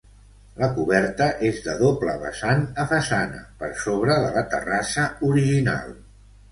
La coberta és de doble vessant a façana, per sobre de la terrassa original.